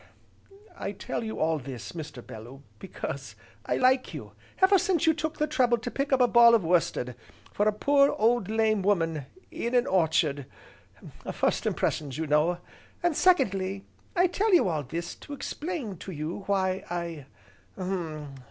I tell you all this, Mr. Bellew, because I like you, ever since you took the trouble to pick up a ball of worsted for a poor, old lame woman in an orchard, first impressions, you know. And secondly, I tell you all this to explain to you why I hum!